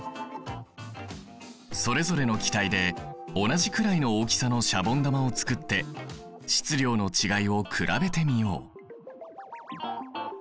それぞれの気体で同じくらいの大きさのシャボン玉を作って質量の違いを比べてみよう。